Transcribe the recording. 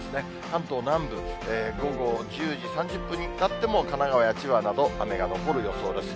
関東南部、午後１０時３０分になっても、神奈川や千葉など、雨が残る予想です。